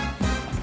あ。